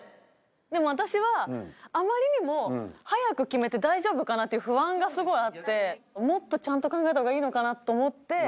でも私はあまりにも早く決めて大丈夫かなっていう不安がすごいあってもっとちゃんと考えたほうがいいのかなと思って。